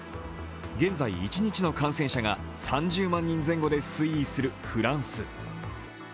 現在、一日の感染者が３０万人前後で推移するフランス。